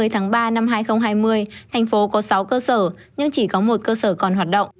thành phố có sáu cơ sở nhưng chỉ có một cơ sở còn hoạt động